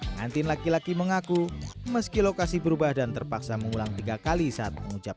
pengantin laki laki mengaku meski lokasi berubah dan terpaksa mengulang tiga kali saat mengucapkan